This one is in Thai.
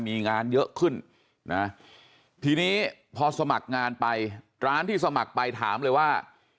มีงานเยอะขึ้นนะทีนี้พอสมัครงานไปร้านที่สมัครไปถามเลยว่า